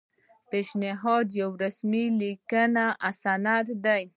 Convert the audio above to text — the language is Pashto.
پیشنهاد یو رسمي لیکلی سند دی.